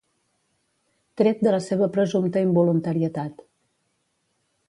Tret de la seva presumpta involuntarietat.